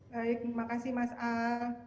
baik terima kasih mas a